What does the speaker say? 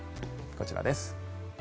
こちらです。